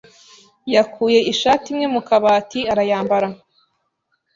yakuye ishati imwe mu kabati arayambara.